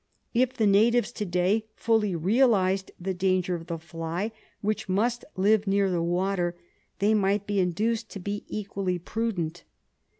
If the natives to day fully realised the danger of the fly, which must live near the water, they might be induced to be equally prudent.